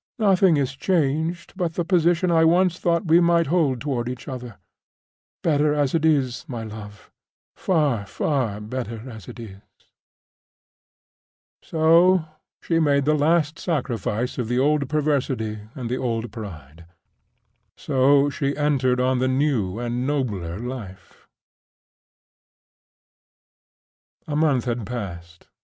Nothing is changed but the position I once thought we might hold toward each other. Better as it is, my love—far, far better as it is!" So she made the last sacrifice of the old perversity and the old pride. So she entered on the new and nobler life. A month had passed.